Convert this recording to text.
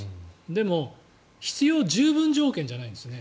でも、必要十分条件じゃないんですね。